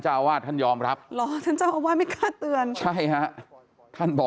เมื่อยครับเมื่อยครับ